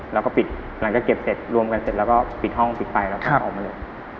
แล้วก็ปิดหลังจากเก็บเสร็จรวมกันเสร็จแล้วก็ปิดห้องปิดไปแล้วก็ออกมาเลย